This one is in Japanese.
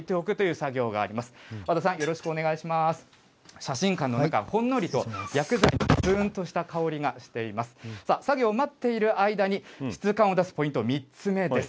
作業を待っている間に、質感を出すポイント、３つ目です。